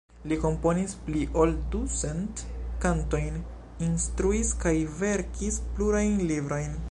Li komponis pli ol ducent kantojn, instruis kaj verkis plurajn librojn.